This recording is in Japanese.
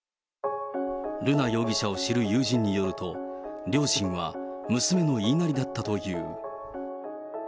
瑠奈容疑者を知る友人によると、両親は娘の言いなりだったという。